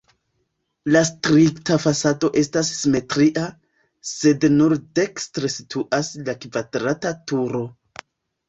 La strikta fasado estas simetria, sed nur dekstre situas la kvadrata turo.